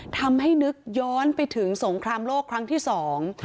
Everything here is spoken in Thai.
ทำให้นึกย้อนไปถึงสงครามโลกครั้งที่สอง